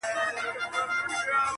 خړي وریځي پر اسمان باندي خپرې وې،